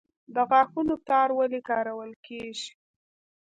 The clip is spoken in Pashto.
د غاښونو تار ولې کارول کیږي؟